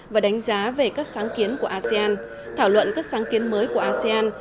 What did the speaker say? và đánh giá về các sáng kiến của asean thảo luận các sáng kiến mới của asean